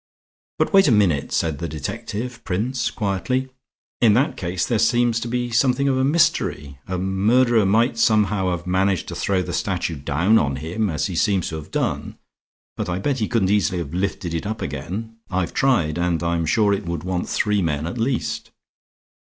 "But wait a minute," said the detective, Prince, quietly. "In that case there seems to be something of a mystery. A murderer might somehow have managed to throw the statue down on him, as he seems to have done. But I bet he couldn't easily have lifted it up again. I've tried; and I'm sure it would want three men at least.